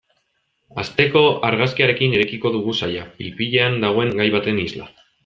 Asteko argazkiarekin irekiko dugu saila, pil-pilean dagoen gai baten isla.